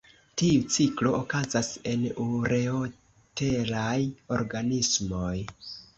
Tiu ciklo okazas en ureotelaj organismoj.